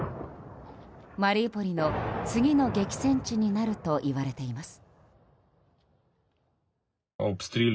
マリウポリの次の激戦地になるといわれています。